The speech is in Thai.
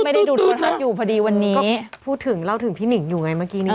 ไม่ได้ดูโทรทัศน์อยู่พอดีวันนี้ก็พูดถึงเล่าถึงพี่หนิงอยู่ไงเมื่อกี้นี้